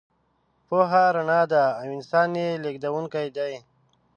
پوهه رڼا ده او انسان یې لېږدونکی دی.